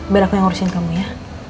biar aku yang ngurusin kamu ya